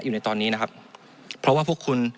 อยู่ในตอนนี้นะครับเพราะว่าพวกคุณ